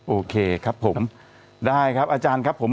โอเคครับผมได้ครับอาจารย์ครับผม